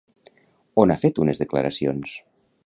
On ha fet unes declaracions?